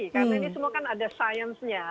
karena ini semua kan ada science nya